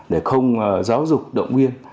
để không giáo dục động viên